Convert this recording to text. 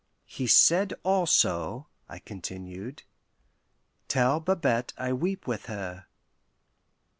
"He said also," I continued, "'Tell Babette I weep with her.